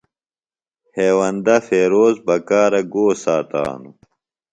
ہیوندہ فیروز بکارہ گو ساتانوۡ؟